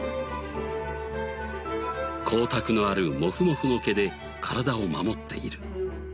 光沢のあるモフモフの毛で体を守っている。